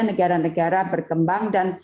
negara negara berkembang dan